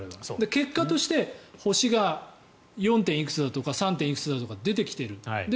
結果として星が４．いくつとか３．いくつって出てきている。